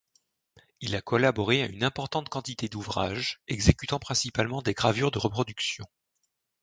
Il a collaboré à une importante quantité d'ouvrages, exécutant principalement des gravures de reproduction.